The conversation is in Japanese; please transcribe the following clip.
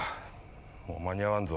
もう間に合わんぞ。